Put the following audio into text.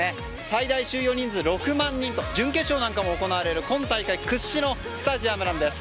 最大収容人数６万人と準決勝も行われる今大会屈指のスタジアムなんです。